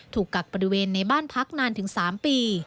กักบริเวณในบ้านพักนานถึง๓ปี